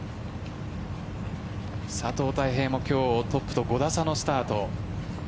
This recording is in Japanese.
佐藤大平も今日トップと５打差のスタート。